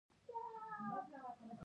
زرکه په غرونو کې ژوند کوي